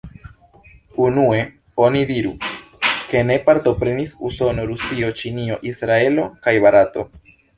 Unue oni diru, ke ne partoprenis Usono, Rusio, Ĉinio, Israelo kaj Barato.